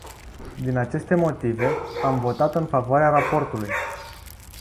Din aceste motive, am votat în favoarea raportului.